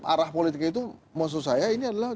arah politiknya itu maksud saya ini adalah